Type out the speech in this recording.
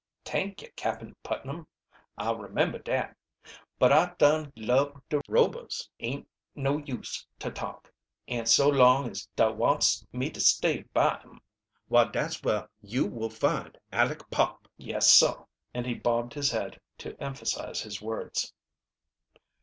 "T'ank you, Cap'n Putnam, I'll remember dat. But I dun lub de Robers, ain't no use ter talk, an' so long as da wants me to stay by 'em, why dat's whar you will find Aleck Pop, yes, sah!" And he bobbed his head to emphasize his words.